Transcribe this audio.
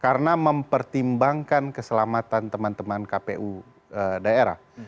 karena mempertimbangkan keselamatan teman teman kpu daerah